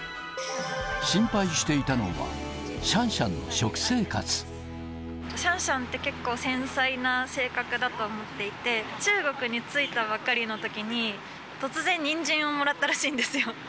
心配していたのは、シャンシシャンシャンって結構、繊細な性格だと思っていて、中国に着いたばかりのときに、突然、にんじんをもらったらしいんですよ。